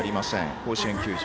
甲子園球場。